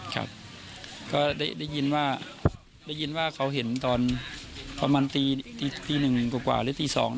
ครับก็ได้ยินว่าได้ยินว่าเขาเห็นตอนประมาณตีหนึ่งกว่าหรือตี๒